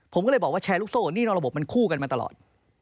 ผมก็เลยบอกว่าแชร์ลูกโซ่หนี้นอกระบบมันคู่กันมาตลอด